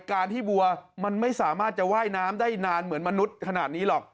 การที่วัวมันไม่สามารถจะว่ายน้ำได้นานเหมือนมนุษย์ขนาดนี้หรอก